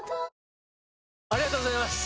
ありがとうございます！